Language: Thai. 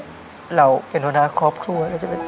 แต่เราเป็นอุณหาร์ครอบครัว